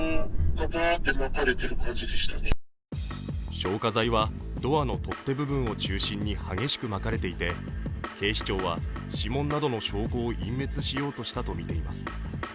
消火剤はドアの取っ手部分を中心に激しくまかれていて警視庁は指紋などの証拠を隠滅しようとしたとみています。